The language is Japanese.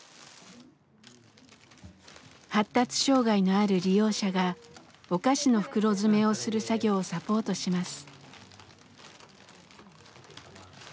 発達障害のある利用者がお菓子の袋詰めをする作業をサポートします。